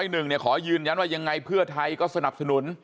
หนึ่งขอยืนยันว่ายังไงเพื่อไทยก็สนับสนุน